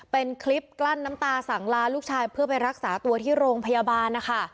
เป็นคลิปกลั้นน้ำตาสั่งลาลูกชายเพื่อไปรักษาตัวที่โรงพยาบาลนะคะ